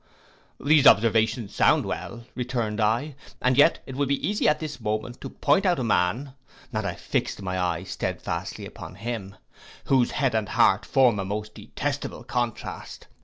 'These observations sound well,' returned I, 'and yet it would be easy this moment to point out a man,' and I fixed my eye stedfastly upon him, 'whose head and heart form a most detestable contrast.